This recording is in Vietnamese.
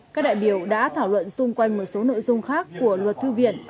các đại biểu đã thảo luận xung quanh một số nội dung khác của luật thư viện